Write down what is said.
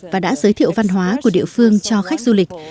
và đã giới thiệu văn hóa của địa phương cho khách du lịch